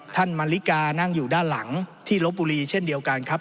ท่านมาริกานั่งอยู่ด้านหลังที่ลบบุรีเช่นเดียวกันครับ